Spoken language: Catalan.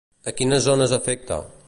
A quines zones afecta?